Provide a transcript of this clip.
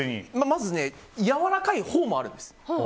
まずやわらかいほうもあるんです。